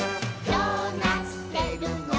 「どうなってるの？